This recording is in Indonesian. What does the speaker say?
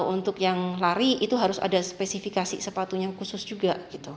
untuk yang lari itu harus ada spesifikasi sepatu yang khusus juga